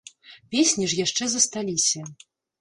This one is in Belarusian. Песні ж яшчэ засталіся.